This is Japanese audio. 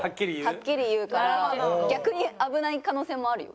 はっきり言うから逆に危ない可能性もあるよ